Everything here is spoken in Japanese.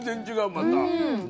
また。